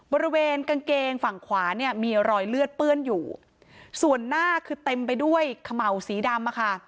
บริเวณกางเกงฝั่งขวาเนี่ยมีรอยเลือดเปื้อนอยู่ส่วนหน้าคือเต็มไปด้วยเขม่าวสีดำอะค่ะ